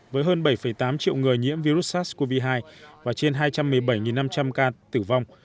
với hơn bảy tám triệu người nhiễm virus sars cov hai và trên hai trăm một mươi bảy năm trăm linh ca tử vong